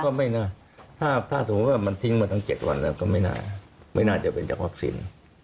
ไม่น่าถ้าสมมุติว่ามันทิ้งมาทั้ง๗วันแล้วก็ไม่น่าไม่น่าจะเป็นจากวัคซีน